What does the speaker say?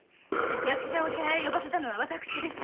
役者を呼ばせたのは私です。